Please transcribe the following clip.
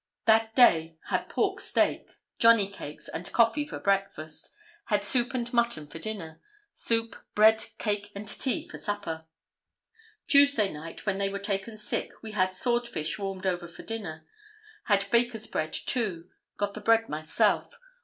That day had pork steak, 'johnny cakes' and coffee for breakfast. Had soup and mutton for dinner. Soup, bread, cake and tea for supper. "Tuesday night, when they were taken sick, we had swordfish warmed over for dinner. Had baker's bread, too. Got the bread myself.